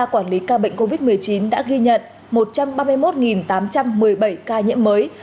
quản lý ca bệnh covid một mươi chín đã ghi nhận một trăm ba mươi một tám trăm một mươi bảy ca nhiễm mới